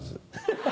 ハハハ！